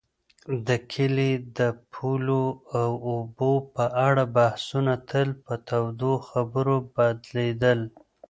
د کلي د پولو او اوبو په اړه بحثونه تل په توندو خبرو بدلېدل.